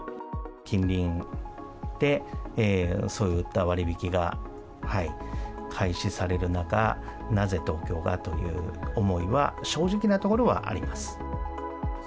近隣でそういった割引が開始される中、なぜ東京がという思いは正直なところはあります。